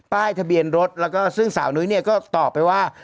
ป้ายทะเบียนรถซึ่งสาวนุ้ยก็ตอบไปว่า